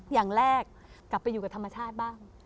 อย่างแรกกลับไปอยู่กับธรรมชาติบ้าง